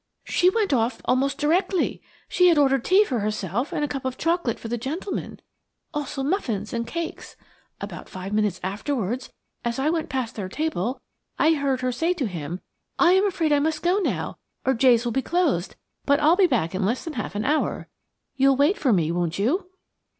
"She went off almost directly. She had ordered tea for herself and a cup of chocolate for the gentleman, also muffins and cakes. About five minutes afterwards, as I went past their table, I heard her say to him. 'I am afraid I must go now, or Jay's will be closed, but I'll be back in less than half an hour. You'll wait for me, won't you?'"